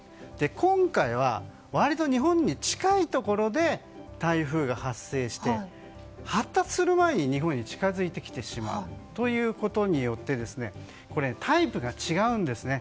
今回は、割と日本に近いところで台風が発生して発達する前に日本に近づいてきてしまうということによってタイプが違うんですね。